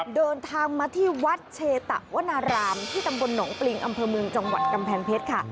เดินทางมาที่วัดเชตะวนารามที่ตำบลหนองปริงอำเภอเมืองจังหวัดกำแพงเพชรค่ะ